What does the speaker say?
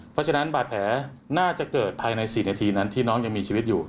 เพราะฉะนั้นบาดแผลน่าจะเกิดภายใน๔นาทีนั้นที่น้องยังมีชีวิตอยู่